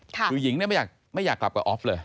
คือหญิงเนี่ยไม่อยากกลับกับออฟเลย